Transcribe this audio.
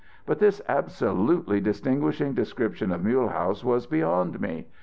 But this absolutely distinguishing description of Mulehaus was beyond me.